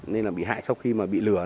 nên là bị hại sau khi mà bị hại